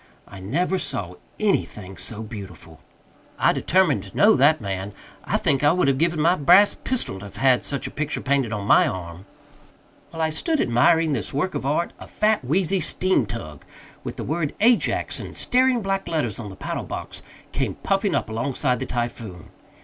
I never saw anything so beautiful. I determined to know that man. I think I would have given my brass pistol to have had such a picture painted on my arm. While I stood admiring this work of art, a fat wheezy steamtug, with the word AJAX in staring black letters on the paddlebox, came puffing up alongside the Typhoon.